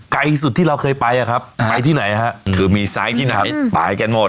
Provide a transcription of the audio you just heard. ไกลสุดที่เราเคยไปอะครับไปที่ไหนฮะคือมีไซส์ที่ไหนไปกันหมด